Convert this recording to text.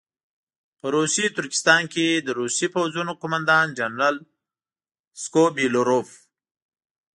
په روسي ترکستان کې د روسي پوځونو قوماندان جنرال سکوبیلروف.